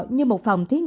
như một phòng thủ